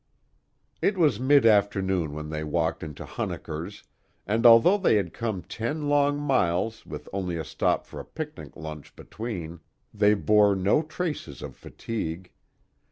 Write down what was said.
It was mid afternoon when they walked into Hunnikers and although they had come ten long miles with only a stop for a picnic lunch between, they bore no traces of fatigue.